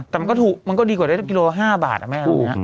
แต่มันก็ถูกมันก็ดีกว่าได้กิโล๕บาทนะแม่